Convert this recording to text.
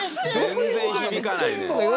全然響かないね。